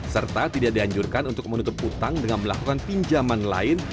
serta tidak dianjurkan untuk menutup utang dengan melakukan pinjaman lain